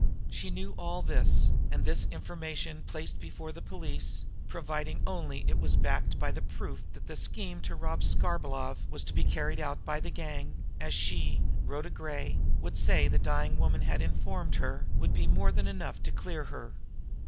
She knew all this; and this information placed before the police, providing only it was backed by the proof that the scheme to rob Skarbolov was to be carried out by the gang, as she, Rhoda Gray, would say the dying woman had informed her, would be more than enough to clear her.